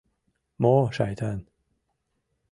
Мо шайтан!